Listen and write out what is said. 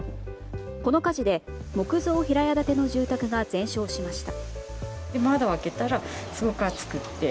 この火事で木造平屋建ての住宅が全焼しました。